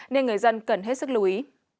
nên người dân cần hết sức lưu ý